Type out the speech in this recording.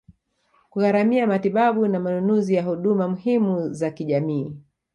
kugharimia matibabu na manunuzi ya huduma muhimu za kijamii